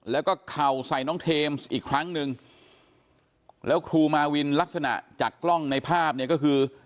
แล้วก็เข่าใส่น้องเทมส์อีกครั้งหนึ่งแล้วครูมาวินลักษณะจากกล้องในภาพเนี่ยก็คือ